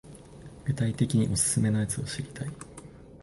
具体的にオススメのやつ知りたい